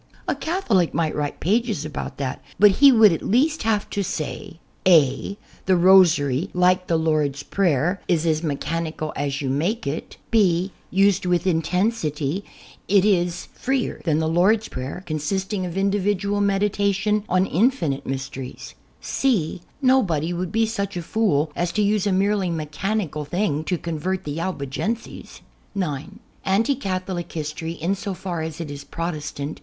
A Catholic might write ])ages a1)out that ; but he would at least have to say (a) The Rosary, like the Lord's Prayer, is as mechanical as you make it; (b) used with intensity, it is 10 ANTI CATHOLIC HISTORY freer than the Lord's Prayer, consisting of individual meditation on infinite mysteries ; (c) nobody would be such a fool as to use a merely mechanical thing to con vert the Albigenses. (9) Anti Catholic history, in so far as it is Protestant